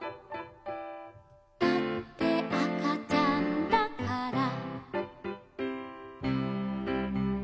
「だってあかちゃんだから」